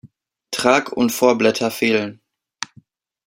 Trag- und Vorblätter fehlen.